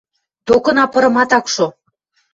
Токына пырымат ак шо.